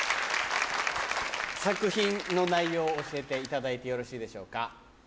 作品の内容を教えていただいてよろしいでしょうか？